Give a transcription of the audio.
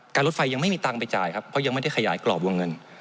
รถไฟยังไม่มีตังค์ไปจ่ายครับเพราะยังไม่ได้ขยายกรอบวงเงิน